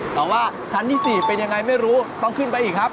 แต่ว่าชั้นที่๔เป็นยังไงไม่รู้ต้องขึ้นไปอีกครับ